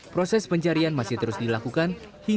proses pencarian masih terus dilakukan